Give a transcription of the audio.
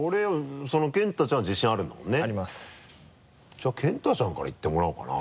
じゃあ健汰ちゃんから行ってもらおうかな？